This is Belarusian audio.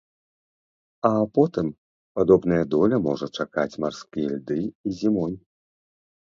А потым падобная доля можа чакаць марскія льды і зімой.